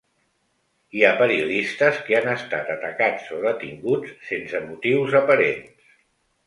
Hi ha periodistes que han estat atacats o detinguts sense motius aparents.